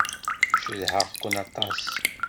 Cedhaɣ-ken aṭas.